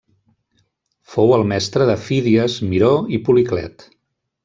Fou el mestre de Fídies, Miró i Policlet.